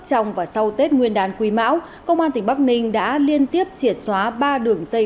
trong và sau tết nguyên đán quý mão công an tỉnh bắc ninh đã liên tiếp triệt xóa ba đường dây